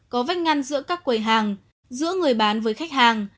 có vách ngăn giữa các quầy hàng giữa người bán với khách hàng